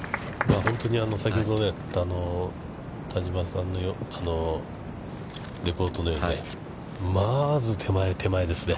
本当に先ほどの田島さんのリポートのように、まず手前手前ですね。